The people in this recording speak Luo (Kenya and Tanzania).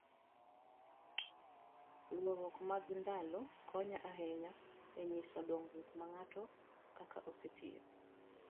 luwruok mag ndalo konyo ahinya e nyiso dongruok ma ng'ato kaka osetiyo